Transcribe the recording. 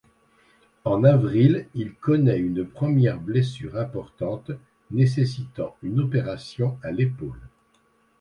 En avril, il connaît une première blessure importante, nécessitant une opération à l'épaule.